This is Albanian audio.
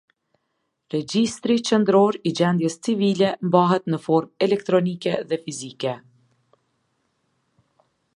Regjistri qendror i gjendjes Civile mbahet në formën elektronike dhe fizike.